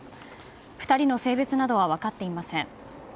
２人の性別などは分かっていません。